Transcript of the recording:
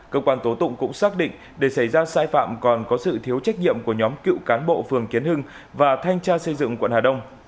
cơ quan tố tụng cũng xác định để xảy ra sai phạm còn có sự thiếu trách nhiệm của nhóm cựu cán bộ phường kiến hưng và thanh tra xây dựng quận hà đông